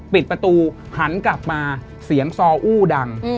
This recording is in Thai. ปิดประตูหันกลับมาเสียงซออู้ดัง